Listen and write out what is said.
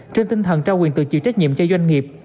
trên tinh thần trao quyền tự chịu trách nhiệm cho doanh nghiệp